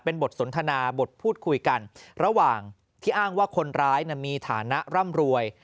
เป็นบทสนทนาบทพูดคุยกันระหว่างที่อ้างว่าคนร้ายมีฐานะร่ำรวย